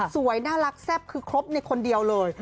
สวยน่ารักแซ่บคือครบในคนเดียวเลย